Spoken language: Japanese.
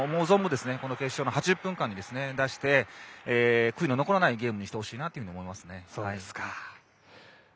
存分この決勝の８０分間に出して悔いの残らないゲームにしてほしいと思いますね。